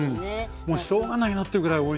もう「しょうが」ないなってぐらいおいしいわ。